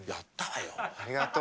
ありがとう。